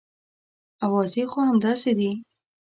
اوازې خو همداسې دي.